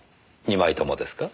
２枚ともですか？